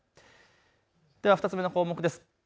では２つ目の項目です。